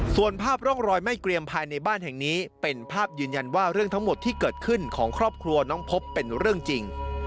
ส่วนภาพร่องรอยไม่เกรียมภายในบ้านแห่งนี้เป็นภาพยืนยันว่าเรื่องทั้งหมดที่เกิดขึ้นของครอบครัวน้องพบเป็นเรื่องจริง